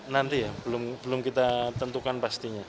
nanti ya belum kita tentukan pastinya